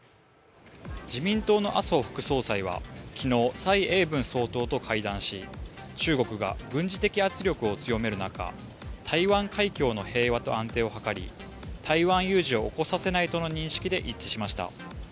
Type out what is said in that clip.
自民党の麻生副総理は昨日、蔡英文総統と会談し中国が軍事的圧力を強める中、台湾海峡の平和と安定を図り台湾有事を起こさせないとの認識で一致しました。